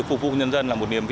vì cuộc sống mưu sinh